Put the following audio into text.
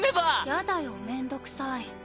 やだよめんどくさい。